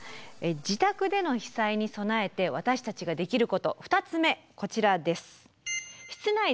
自宅での被災に備えて私たちができること２つ目こちらです。